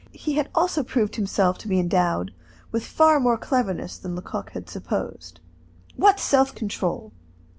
He had also proved himself to be endowed with far more cleverness than Lecoq had supposed. What self control!